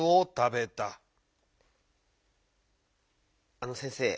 あの先生。